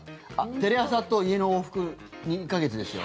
テレ朝と家の往復２か月ですよ。